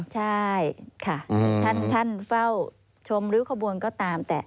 ใช่ค่ะท่านเฝ้าชมริ้วขบวนก็ตามแต่